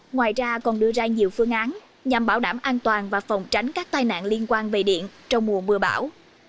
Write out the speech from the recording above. ngoài ra còn đưa ra nhiều phương án nhằm bảo đảm an toàn và phòng tránh các tai nạn liên quan về điện trong mùa mưa bão